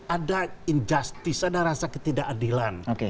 ada kelebihan ada ketidakadilan